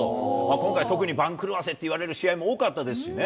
今回特に番狂わせってる試合も多かったですしね。